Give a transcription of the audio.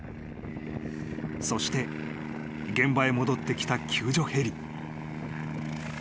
［そして現場へ戻ってきた救助ヘリ］